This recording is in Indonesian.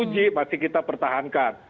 dua g masih kita pertahankan